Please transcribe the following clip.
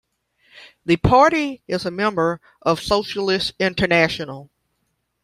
The party is a member of Socialist International.